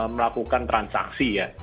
melakukan transaksi ya